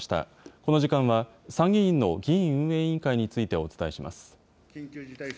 この時間は、参議院の議院運営委員会についてお伝えします。